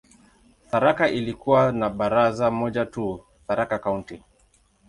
Tharaka ilikuwa na baraza moja tu, "Tharaka County".